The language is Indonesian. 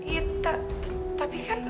iya tapi kan